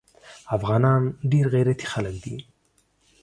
افغانان ډیر غیرتي خلک دي